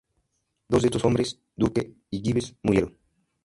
Dos de estos hombres, Burke y Gibbs, murieron.